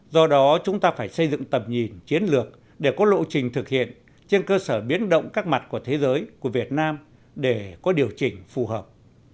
do đó chúng ta phải xây dựng tầm nhìn chiến lược để có lộ trình thực hiện trên cơ sở biến động các mặt của thế giới của việt nam để có điều chỉnh phù hợp